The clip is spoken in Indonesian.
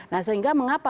nah sehingga mengapa